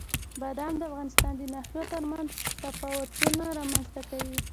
بادام د افغانستان د ناحیو ترمنځ تفاوتونه رامنځ ته کوي.